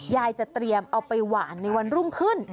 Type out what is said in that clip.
ยายจะเตรียมเอาไปหวานในวันรุ่งขึ้น